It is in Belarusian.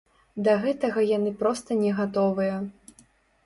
Да гэтага яны проста не гатовыя.